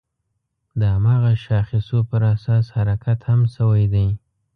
د هماغه شاخصو پر اساس حرکت هم شوی دی.